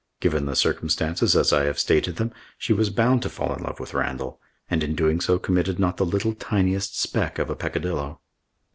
Given the circumstances as I have stated them, she was bound to fall in love with Randall, and in doing so committed not the little tiniest speck of a peccadillo.